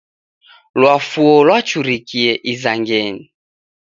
Lwafuo lwachurikie isangenyi.